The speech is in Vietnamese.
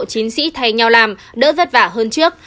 chiến sĩ thay nhau làm đỡ vất vả hơn trước